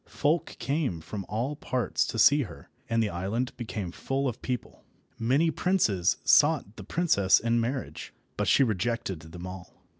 Folk came from all parts to see her, and the island became full of people. Many princes sought the princess in marriage, but she rejected them all.